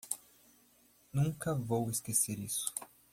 Nunca vou esquecer isso.